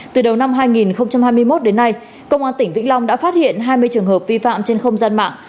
từ đầu năm hai nghìn hai mươi một đến nay công an tỉnh vĩnh long đã phát hiện hai mươi trường hợp vi phạm trên không gian mạng